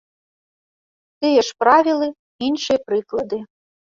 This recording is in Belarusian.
Тыя ж правілы, іншыя прыклады.